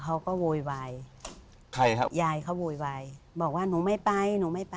เขาก็โหวววาย